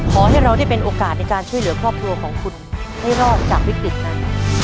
ขอให้เราได้เป็นโอกาสในการช่วยเหลือครอบครัวของคุณให้รอดจากวิกฤตนั้น